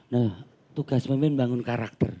nah tugas memimpin bangun karakter